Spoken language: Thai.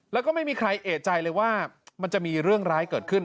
แล้วก็ไม่มีใครเอกใจเลยว่ามันจะมีเรื่องร้ายเกิดขึ้น